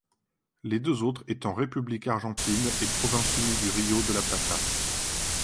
Les deux autres étant République Argentine et Provinces-Unies du Río de la Plata.